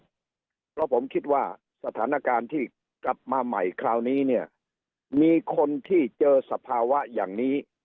เพราะผมคิดว่าสถานการณ์ที่กลับมาใหม่คราวนี้เนี่ยมีคนที่เจอสภาวะอย่างนี้